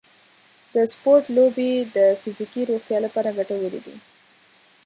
د سپورټ لوبې د فزیکي روغتیا لپاره ګټورې دي.